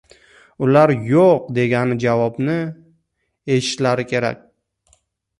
ular yo'q "degan javobni eshitishlari kerak